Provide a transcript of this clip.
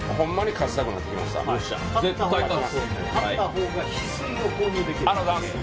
買ったほうがヒスイを購入できます。